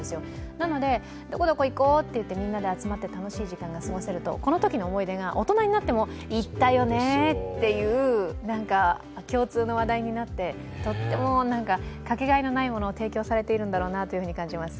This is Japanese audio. なので、どこどこ行こうっていってみんなで楽しい時間を過ごせると、このときの思い出が、大人になっても、行ったよねって共通の話題になって、とってもかけがえのないものを提供されているんだろうなと思います。